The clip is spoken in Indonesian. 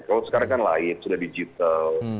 kalau sekarang kan lain sudah digital